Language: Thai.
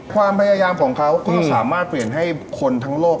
ความพยายามของเขาก็สามารถเปลี่ยนให้คนทั้งโลก